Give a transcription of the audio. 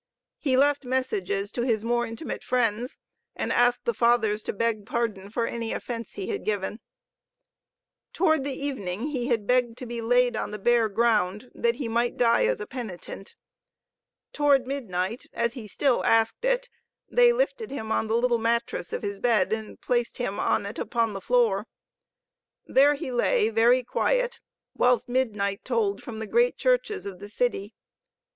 He left messages to his more intimate friends, and asked the Fathers to beg pardon for any offense he had given. During the evening he had begged to be laid on the bare ground, that he might die as a penitent. Toward midnight, as he still asked it, they lifted him on the little mattress of his bed and placed him on it upon the floor. There he lay, very quiet, whilst midnight tolled from the great churches of the city.